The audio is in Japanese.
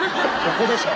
ここでしょ。